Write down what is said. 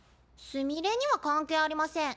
すみれには関係ありません。